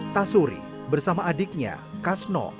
tasuri bersama adiknya kasno